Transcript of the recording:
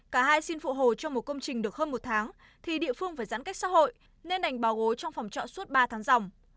cả hai xin phụ hồ cho một công trình được hơn một tháng thì địa phương phải giãn cách xã hội nên ảnh báo gố trong phòng trọ suốt ba tháng dòng